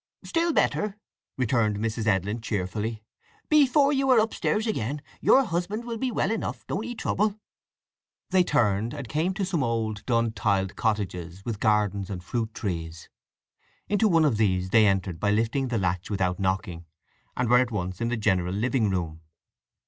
"Still better!" returned Mrs. Edlin cheerfully. "Before you are upstairs again your husband will be well enough—don't 'ee trouble." They turned, and came to some old, dun tiled cottages with gardens and fruit trees. Into one of these they entered by lifting the latch without knocking, and were at once in the general living room.